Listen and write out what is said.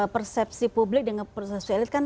persepsi publik dengan persepsi elit kan